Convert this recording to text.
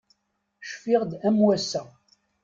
Cfiɣ-d am wass-a.